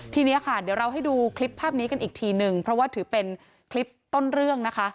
ทีนี้ค่ะเดี๋ยวเราให้ดูคลิปภาพนี้กันอีกทีนึงเพราะว่าถือเป็นคลิปต้นเรื่องนะคะ